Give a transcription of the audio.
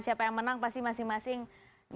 siapa yang menang pasti masing masing